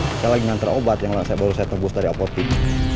saya lagi nganter obat yang baru saya tebus dari apotek